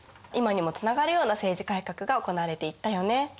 今にもつながるような政治改革が行われていったよね。